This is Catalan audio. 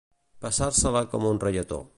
Passar-se-la com un reietó.